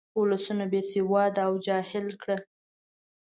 ولسونه بې سواده او جاهل کړه.